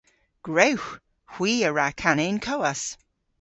Gwrewgh! Hwi a wra kana y'n kowas.